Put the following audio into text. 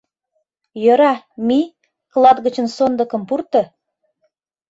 Йӧра... мий, клат гычын сондыкым пурто...